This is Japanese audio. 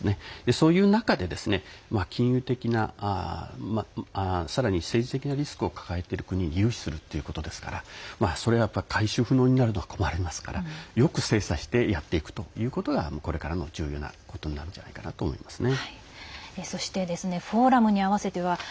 そういう中で金融的なさらに政治的なリスクを抱えている国に融資するということですからそれは回収不能になれば困りますからよく精査してやっていくということがこれから重要なことなんじゃないかと思いますね。